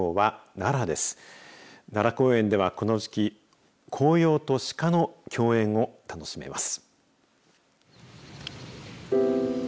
奈良公園ではこの時期、紅葉とシカの共演を楽しめます。